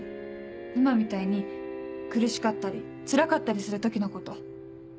今みたいに苦しかったりつらかったりする時のこと。